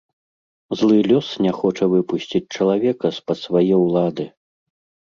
Злы лёс не хоча выпусціць чалавека з-пад свае ўлады.